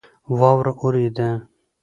واوره اوورېده